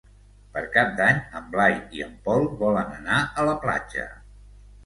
Per Cap d'Any en Blai i en Pol volen anar a la platja.